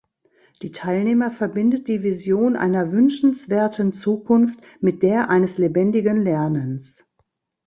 Die Teilnehmer verbindet die Vision einer wünschenswerten Zukunft mit der eines lebendigen Lernens.